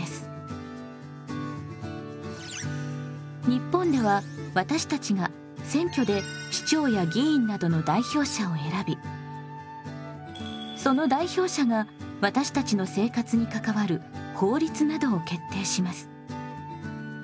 日本では私たちが選挙で首長や議員などの代表者を選びその代表者が私たちの生活に関わる法律などを決定します。